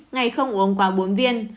ngày không uống quá bốn viên